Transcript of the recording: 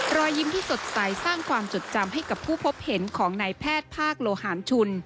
รอยยิ้มที่สดใสสร้างความจดจำให้กับผู้พบเห็นของนายแพทย์ภาคโลหารชุน